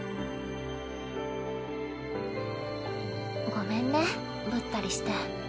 ごめんねぶったりして。